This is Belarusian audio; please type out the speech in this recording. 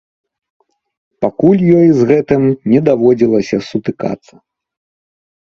Пакуль ёй з гэтым не даводзілася сутыкацца.